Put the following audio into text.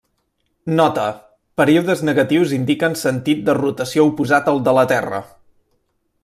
Nota: períodes negatius indiquen sentit de rotació oposat al de la Terra.